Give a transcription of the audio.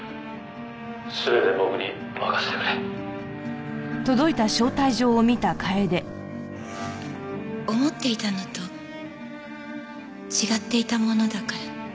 全て僕に任せてくれ」思っていたのと違っていたものだから。